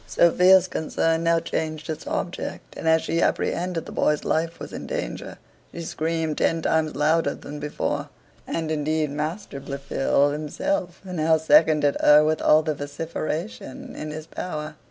Sophia's concern now changed its object. And as she apprehended the boy's life was in danger, she screamed ten times louder than before; and indeed Master Blifil himself now seconded her with all the vociferation in his power.